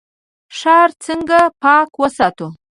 ښار څنګه پاک وساتو؟